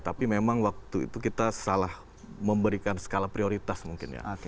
tapi memang waktu itu kita salah memberikan skala prioritas mungkin ya